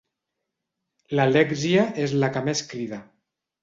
L'Alèxia és la que més crida.